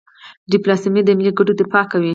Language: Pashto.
ډيپلوماسي د ملي ګټو دفاع کوي.